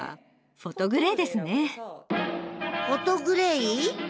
フォトグレイ！